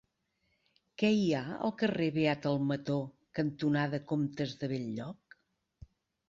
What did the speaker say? Què hi ha al carrer Beat Almató cantonada Comtes de Bell-lloc?